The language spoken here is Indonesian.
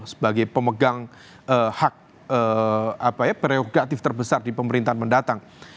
sebagai pemegang hak prerogatif terbesar di pemerintahan mendatang